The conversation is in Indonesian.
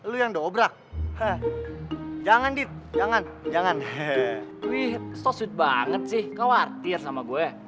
lu yang dobrak jangan di jangan jangan wih so sweet banget sih kau artir sama gue